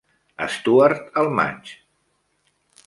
Stuart al maig.